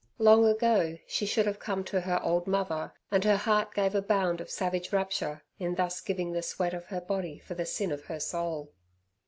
Long ago she should have come to her old mother, and her heart gave a bound of savage rapture in thus giving the sweat of her body for the sin of her soul.